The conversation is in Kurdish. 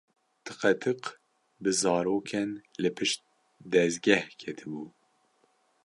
Tiqetiq bi zarokên li pişt dezgeh ketibû.